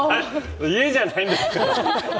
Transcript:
家じゃないんですから。